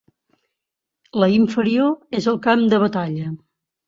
La inferior és el camp de batalla.